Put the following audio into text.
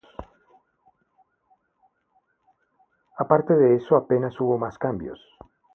A parte de eso, apenas hubo más cambios.